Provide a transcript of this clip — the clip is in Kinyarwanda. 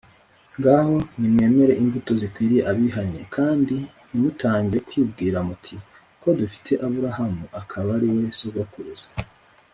Ngaho nimwere imbuto zikwiriye abihannye, kandi ntimutangire kwibwira muti, ‘Ko dufite Aburahamu akaba ariwe sogokuruza